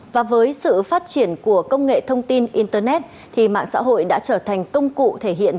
và với sự phát triển của công nghệ thông tin internet mạng xã hội đã trở thành công cụ thể hiện